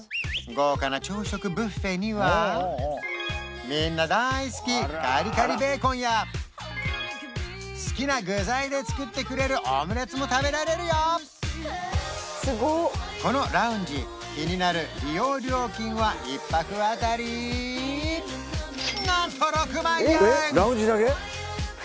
豪華な朝食ビュッフェにはみんな大好きカリカリベーコンや好きな具材で作ってくれるオムレツも食べられるよこのラウンジ気になる利用料金は１泊あたりなんと６万円！